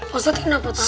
posat kenapa tau